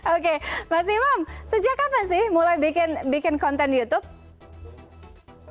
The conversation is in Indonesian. oke masih mem sejak kapan sih mulai bikin bikin konten youtube